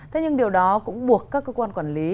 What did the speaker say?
thế nhưng điều đó cũng buộc các cơ quan quản lý